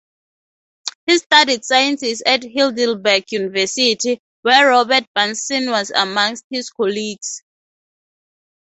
He studied sciences at Heidelberg University, where Robert Bunsen was amongst his colleagues.